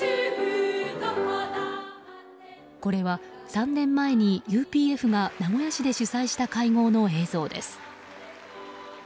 これは３年前にＵＰＦが名古屋市で主催した会合の映像です。